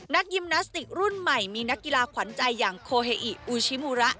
ยิมนาสติกรุ่นใหม่มีนักกีฬาขวัญใจอย่างโคเฮอิอูชิมูระ